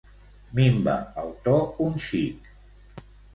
Minva el to un xic.